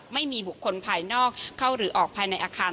ไม่มีบุคคลภายนอกเข้าหรือออกภายในอาคาร